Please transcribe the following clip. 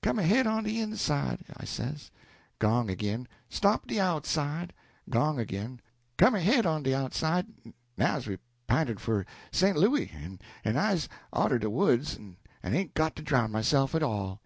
'Come ahead on de inside,' I says. Gong ag'in. 'Stop de outside.' Gong ag'in. 'Come ahead on de outside now we's pinted for Sent Louis, en I's outer de woods en ain't got to drown myself at all.'